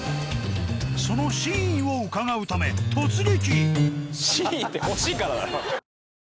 その真意を伺うため突撃！